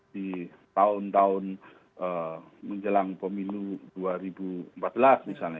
di tahun tahun menjelang pemilu dua ribu empat belas misalnya